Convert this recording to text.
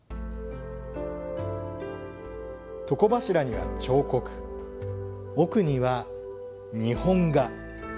床柱には彫刻奥には日本画。